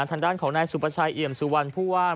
ทางด้านของนายสุประชัยเอี่ยมสุวรรณผู้ว่า